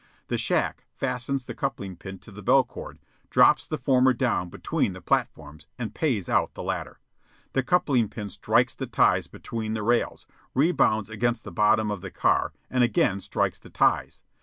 The shack fastens the coupling pin to the bell cord, drops the former down between the platforms, and pays out the latter. The coupling pin strikes the ties between the rails, rebounds against the bottom of the car, and again strikes the ties.